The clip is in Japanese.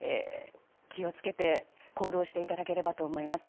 気を付けて、行動していただければと思います。